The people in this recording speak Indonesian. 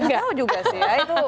gak tau juga sih ya itu